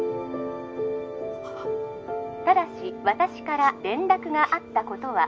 ☎ただし私から連絡があったことは